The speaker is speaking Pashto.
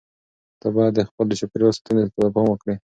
ته باید د خپل چاپیریال ساتنې ته پام وکړې.